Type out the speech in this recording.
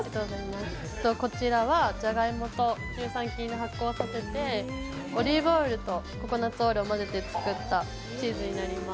こちらはじゃがいもと乳酸菌で発酵させてオリーブオイルとココナッツオイルを混ぜて作ったものです。